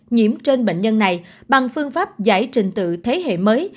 nhiễm trên bệnh nhân này bằng phương pháp giải trình tự thế hệ mới